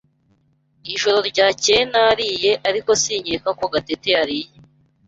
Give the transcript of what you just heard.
Ijoro ryakeye nariye, ariko sinkeka ko Gatete yariye.